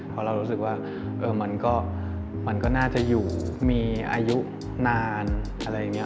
เพราะเรารู้สึกว่ามันก็น่าจะอยู่มีอายุนานอะไรอย่างนี้